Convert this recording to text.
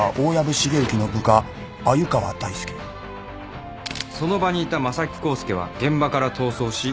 その場にいた正木浩介は現場から逃走し雲隠れ。